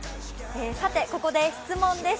ここで質問です。